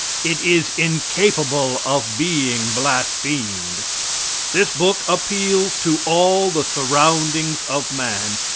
It is incapable of being blasphemed. This book appeals to all the surroundings of man.